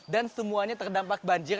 dan semuanya terdampak banjir